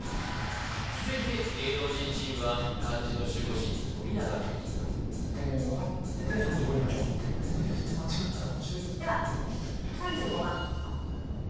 続いて芸能人チームは漢字の守護神富永美樹分かってて３５いきましょうこんだけ振って間違ったら面白いけどなではああ